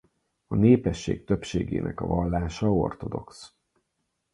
A népesség többségének a vallása ortodox.